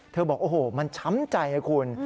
เธอบอกโอ้โฮมันช้ำใจครับคุณ